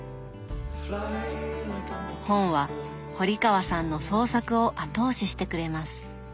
本は堀川さんの創作を後押ししてくれます。